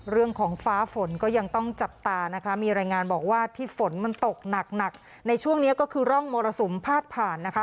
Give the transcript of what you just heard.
เรื่องของฟ้าฝนก็ยังต้องจับตานะคะมีรายงานบอกว่าที่ฝนมันตกหนักหนักในช่วงนี้ก็คือร่องมรสุมพาดผ่านนะคะ